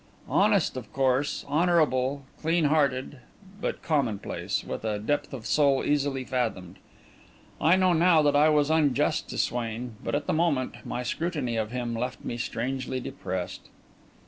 Honest, of course, honourable, clean hearted, but commonplace, with a depth of soul easily fathomed. I know now that I was unjust to Swain, but, at the moment, my scrutiny of him left me strangely depressed.